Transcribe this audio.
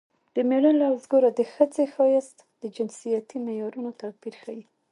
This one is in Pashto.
د مېړه لوز ګوره د ښځې ښایست د جنسیتي معیارونو توپیر ښيي